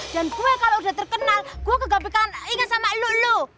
dan gue kalo udah terkenal gue kegampikan inget sama lu lu